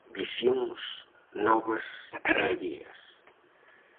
Visións novas e alleas.